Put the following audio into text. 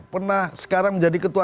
pernah sekarang menjadi ketua